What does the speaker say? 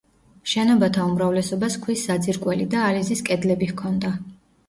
შენობათა უმრავლესობას ქვის საძირკველი და ალიზის კედლები ჰქონდა.